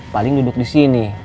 paling duduk disini